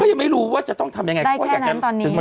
ก็ยังไม่รู้ว่าจะต้องทำอย่างไร